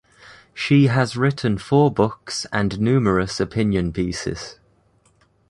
She has written four books and numerous opinion pieces.